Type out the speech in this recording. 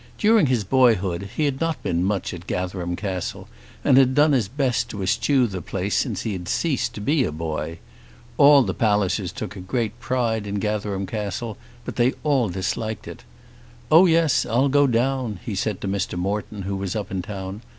During his boyhood he had not been much at Gatherum Castle, and had done his best to eschew the place since he had ceased to be a boy. All the Pallisers took a pride in Gatherum Castle, but they all disliked it. "Oh yes; I'll go down," he said to Mr. Morton, who was up in town.